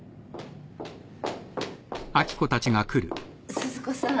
鈴子さん？